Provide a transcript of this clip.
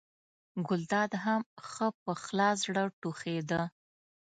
ګلداد هم ښه په خلاص زړه ټوخېده.